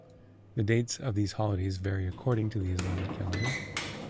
The dates for these holidays vary according to the Islamic calendar.